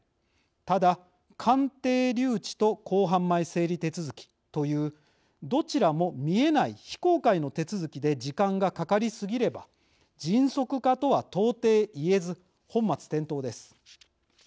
ただ鑑定留置と公判前整理手続きというどちらも見えない非公開の手続きで時間がかかりすぎれば迅速化とは到底言えず本末転倒です。